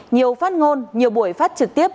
nhiều phát ngôn nhiều buổi phát trực tiếp